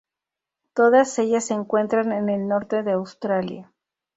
Todas ellas se encuentran en el norte de Australia.